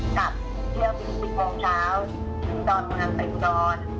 กลับเที่ยวไป๑๐โมงเช้าดอนหัวหังไปดอน